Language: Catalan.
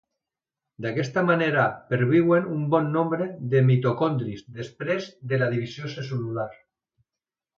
D'aquesta manera perviuen un bon nombre de mitocondris després de la divisió cel·lular.